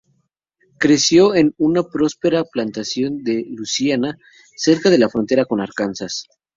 Creció en una próspera plantación de Luisiana cerca de la frontera con Arkansas.